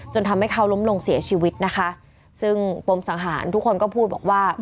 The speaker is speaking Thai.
ทำให้เขาล้มลงเสียชีวิตนะคะซึ่งปมสังหารทุกคนก็พูดบอกว่า